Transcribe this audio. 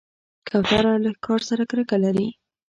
کوتره له ښکار سره کرکه لري.